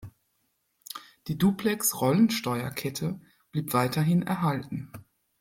Die Duplex-Rollensteuerkette blieb weiterhin erhalten.